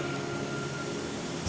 terus saya sekarang harus bagaimana